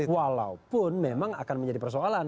walaupun memang akan menjadi persoalan